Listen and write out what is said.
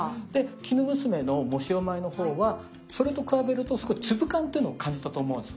きぬむすめの藻塩米の方はそれと比べると少し粒感というのを感じたと思うんです。